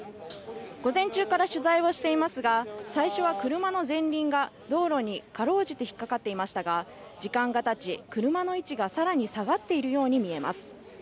午前中から取材をしていますが、最初は車の前輪が道路に辛うじて引っかかっていましたが、時間がたち、車の位置が更に下がっているように見えます。